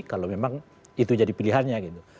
kalau memang itu jadi pilihannya gitu